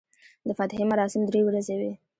د فاتحې مراسم درې ورځې وي.